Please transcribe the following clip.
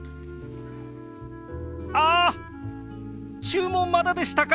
あ注文まだでしたか！